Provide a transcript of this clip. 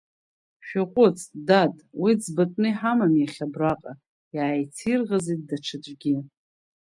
Шәаҟәыҵ, дад, уи ӡбатәны иҳамам иахьа абраҟа, иааицирӷызит даҽаӡәгьы.